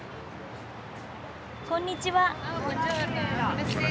こんにちは。